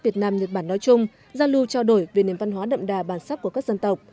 việt nam nhật bản nói chung giao lưu trao đổi về nền văn hóa đậm đà bản sắc của các dân tộc